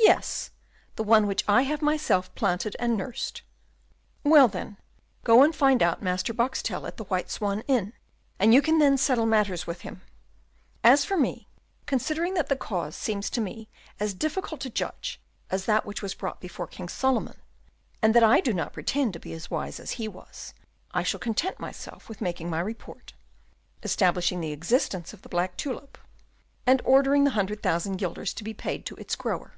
"Yes, the one which I have myself planted and nursed." "Well, then, go and find out Master Boxtel, at the White Swan Inn, and you can then settle matters with him; as for me, considering that the cause seems to me as difficult to judge as that which was brought before King Solomon, and that I do not pretend to be as wise as he was, I shall content myself with making my report, establishing the existence of the black tulip, and ordering the hundred thousand guilders to be paid to its grower.